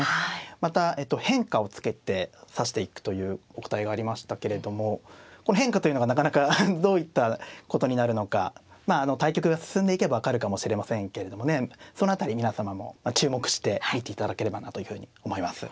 また変化をつけて指していくというお答えがありましたけれどもこの変化というのがなかなかどういったことになるのか対局が進んでいけば分かるかもしれませんけれどもねその辺り皆様も注目して見ていただければなというふうに思います。